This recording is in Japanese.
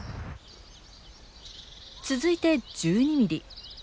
続いて１２ミリ。